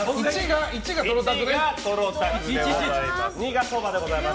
１が、とろたくでございます。